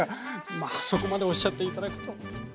まあそこまでおっしゃって頂くとは。